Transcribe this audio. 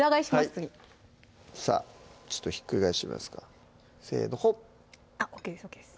次さぁちょっとひっくり返しますかせのほっあっＯＫですＯＫです